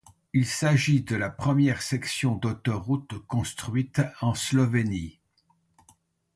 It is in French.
Il s'agit de la première section d'autoroute construite en Slovénie.